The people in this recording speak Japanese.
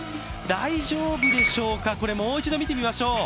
大丈夫でしょうか、これ、もう一度見てみましょう。